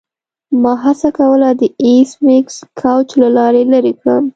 ما هڅه کوله د ایس میکس کوچ له لارې لیرې کړم